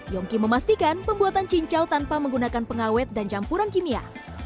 yongki memastikan pembuatan cincau tanpa menggunakan pengawet dan campuran kimia